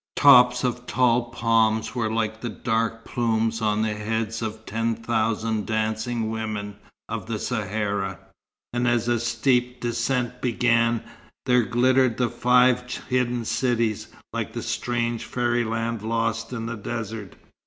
Tops of tall palms were like the dark plumes on the heads of ten thousand dancing women of the Sahara, and as a steep descent began, there glittered the five hidden cities, like a strange fairyland lost in the desert.